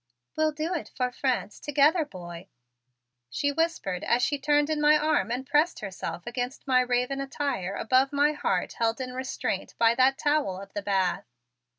"We'll do it for France together, boy," she whispered as she turned in my arm and pressed herself against my raven attire above my heart held in restraint by that towel of the bath.